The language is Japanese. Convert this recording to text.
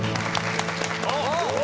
あっ。